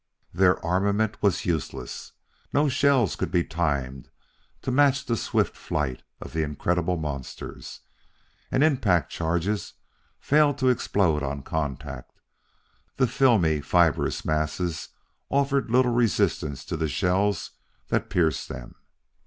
Their armament was useless. No shells could be timed to match the swift flight of the incredible monsters, and impact charges failed to explode on contact; the filmy, fibrous masses offered little resistance to the shells that pierced them.